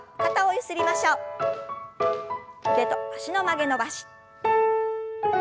腕と脚の曲げ伸ばし。